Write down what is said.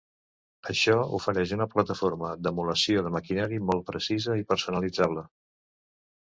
Això ofereix una plataforma d'emulació de maquinari molt precisa i personalitzable.